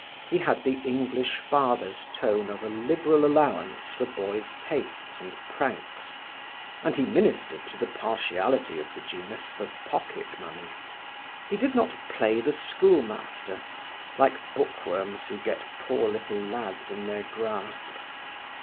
He had the English father's tone of a liberal allowance for boys' tastes and pranks, and he ministered to the partiality of the genus for pocket money. He did not play the schoolmaster, like bookworms who get poor little lads in their grasp.